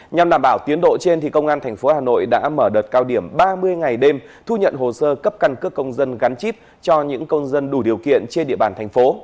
nhằm đảm bảo tiến độ trên công an tp hà nội đã mở đợt cao điểm ba mươi ngày đêm thu nhận hồ sơ cấp căn cước công dân gắn chip cho những công dân đủ điều kiện trên địa bàn thành phố